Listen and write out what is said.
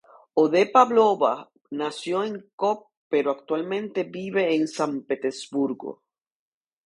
Odette Pavlova nació en Pskov, pero actualmente vive en San Petersburgo.